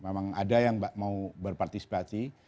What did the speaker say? memang ada yang mau berpartisipasi